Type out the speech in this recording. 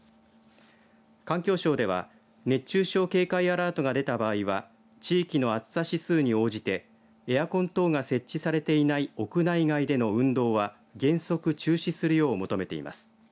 環境省では熱中症警戒アラートが出た場合は地域の暑さ指数に応じてエアコン等が設置されていない屋内外での運動は原則中止するよう求めています。